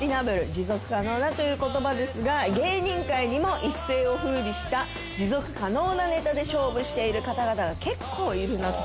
持続可能なという言葉ですが芸人界にも一世を風靡した持続可能なネタで勝負している方々が結構いるなと。